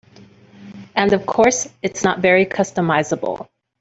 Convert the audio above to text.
And of course, it's not very customizable.